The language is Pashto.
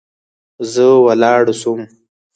زه ولاړ سوم.